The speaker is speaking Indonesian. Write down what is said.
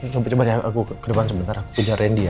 coba coba ya aku ke depan sebentar aku kejar randy ya